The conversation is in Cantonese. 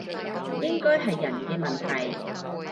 應該係人嘅問題